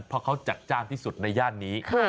เพราะเขาจัดจ้านที่สุดในย่านนี้